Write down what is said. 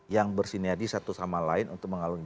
yang bersini sini satu sama lain untuk mengarungi